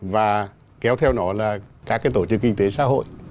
và kéo theo nó là các tổ chức kinh tế xã hội